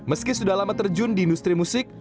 meski sudah lama terjun di industri musik